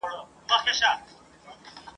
څوک چي له علم سره دښمن دی !.